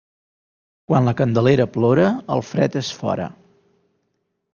Quan la Candelera plora, el fred és fora.